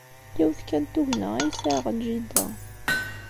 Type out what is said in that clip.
Yiwet kan n tugna ay sɛiɣ n jida.